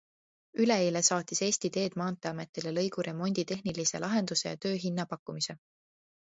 Üleeile saatis Eesti Teed maanteeametile lõigu remondi tehnilise lahenduse ja töö hinnapakkumise.